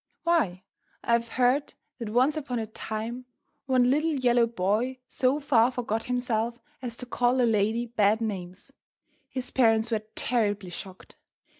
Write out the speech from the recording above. Why, I have heard that once upon a time one little yellow boy so far forgot himself as to call a lady bad names. His parents were terribly shocked.